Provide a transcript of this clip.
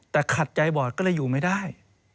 แต่ขัดใจบอดก็เลยอยู่ไม่ได้